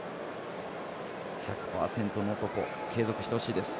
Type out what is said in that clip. １００％の男継続してほしいです。